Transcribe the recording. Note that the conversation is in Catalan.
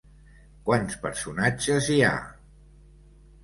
Quants personatges hi ha?